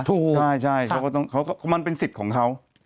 ถูกใช่มันเป็นสิทธิ์ของเขา